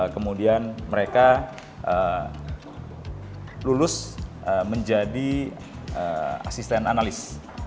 kemudian mereka lulus menjadi asisten analis